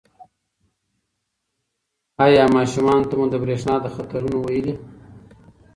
ایا ماشومانو ته مو د برېښنا د خطرونو ویلي دي؟